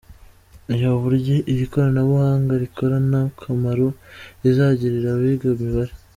Reba uburyo iri koranabuhanga rikora n’akamaro rizagirira abiga imibare.